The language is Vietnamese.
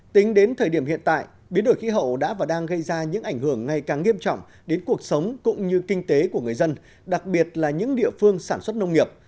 tính đến thời điểm hiện tại biến đổi khí hậu đã và đang gây ra những ảnh hưởng ngày càng nghiêm trọng đến cuộc sống cũng như kinh tế của người dân đặc biệt là những địa phương sản xuất nông nghiệp